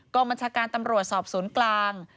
กรมชาการตำรวจสอบศูนย์กลาง